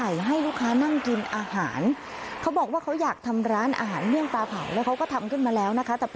อยากจะขายไตตัวเองนะคะ